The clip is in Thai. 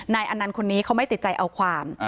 อนันต์คนนี้เขาไม่ติดใจเอาความ